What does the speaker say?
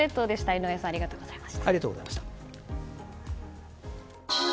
井上さんありがとうございました。